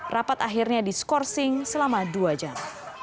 rapat akhirnya diskorsing selama dua jam